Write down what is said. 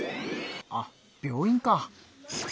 あっ病院か。